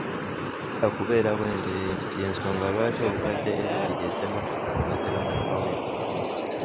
Nze saagala kubeera bwentyo y’ensonga lwaki obukadde ebibiri ez’emmotoka nziwadde bannakawempe.